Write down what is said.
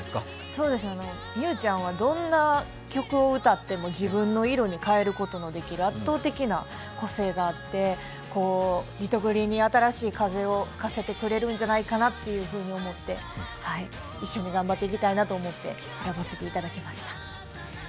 みゆちゃんはどんな曲を歌っても自分の色に変えることができる圧倒的な個性があってリトグリに新しい風を吹かせてくれるんじゃないかなと思って、一緒に頑張っていきたいなと思って選ばせていただきました。